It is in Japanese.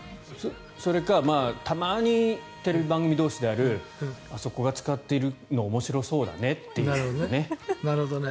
それかたまにテレビ番組同士であるあそこが使っているの面白そうだねっていうね。